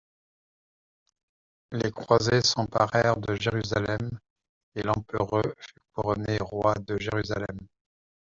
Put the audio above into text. Les Croisés s'emparèrent de Jérusalem et l'Empereut fut couronné Roi de Jérusalem.